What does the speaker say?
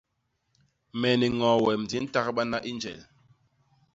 Me ni ñoo wem di ntagbana i njel.